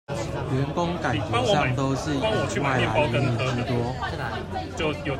員工感覺上都是以外來移民居多